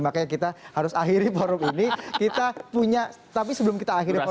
makanya kita harus akhiri forum ini kita punya tapi sebelum kita akhiri forum